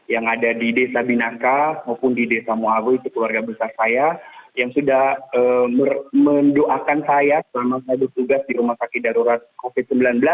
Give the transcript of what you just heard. yang ada di desa binaka maupun di desa moago itu keluarga besar saya yang sudah mendoakan saya selama saya bertugas di rumah sakit darurat covid sembilan belas